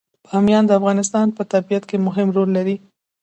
بامیان د افغانستان په طبیعت کې مهم رول لري.